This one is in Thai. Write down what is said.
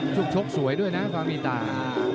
ชุกชกสวยด้วยนะฟ้ามีตา